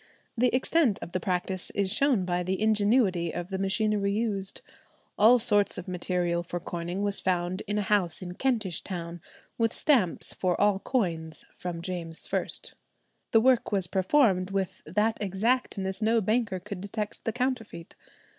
The extent of the practice is shown by the ingenuity of the machinery used. "All sorts of material for coining was found in a house in Kentish town, with stamps for all coins from James I." The work was performed "with that exactness no banker could detect the counterfeit."